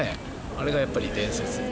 あれがやっぱり伝説。